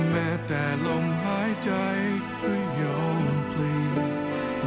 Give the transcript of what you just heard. แม้แต่ลมหายใจก็ย้มพลี